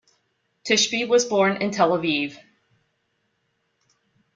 Tishby was born in Tel Aviv.